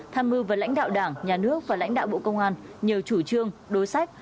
tham mưu với lãnh đạo đảng nhà nước và lãnh đạo bộ công an nhiều chủ trương đối sách